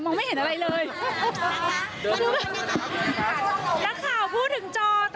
โอเคขอดูแป๊บหนึ่ง